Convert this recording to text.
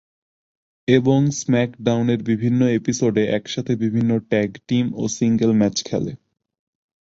এবং স্ম্যাকডাউনের বিভিন্ন এপিসোডে একসাথে বিভিন্ন ট্যাগ টিম ও সিঙ্গেল ম্যাচ খেলে।